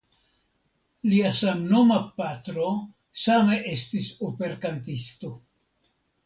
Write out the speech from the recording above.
Lia samnoma patro same estis operkantisto.